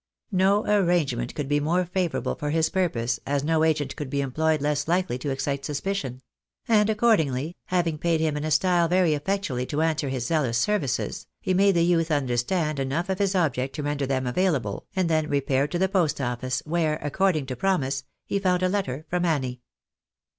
No arrangement could be more favourable for his purpose, as no agent could be employed less likely to excite suspicion; and accordingly, having paid him in a style very effectually to answer his zealous services, he made the youth understand enough of his object to render them available, and then repaired to the post ofiice, where, according to promise, he found a letter from Annie.